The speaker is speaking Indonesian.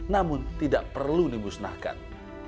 namun tidak perlu dibusnahkan